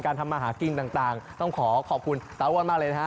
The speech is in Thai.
ทำมาหากินต่างต้องขอขอบคุณตาอ้วนมากเลยนะฮะ